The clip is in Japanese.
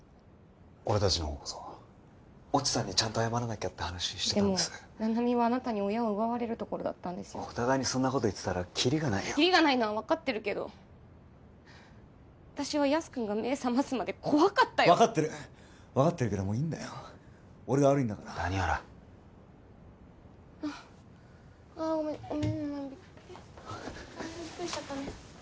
俺達のほうこそ越智さんにちゃんと謝らなきゃってでも七海はあなたに親を奪われるところだったんですよお互いにそんなこと言ってたらキリがないキリがないのは分かってるけど私はヤス君が目覚ますまで怖かったよ分かってる分かってるけどもういいんだ俺が悪いんだから谷原あッごめん七海ビックリしちゃったね